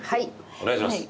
お願いします。